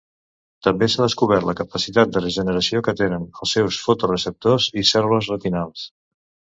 També s'ha descobert la capacitat de regeneració que tenen els seus fotoreceptors i cèl·lules retinals.